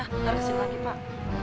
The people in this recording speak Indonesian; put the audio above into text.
harus ke sini lagi pak